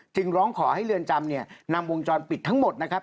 ร้องขอให้เรือนจำเนี่ยนำวงจรปิดทั้งหมดนะครับ